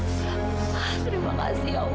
terima kasih allah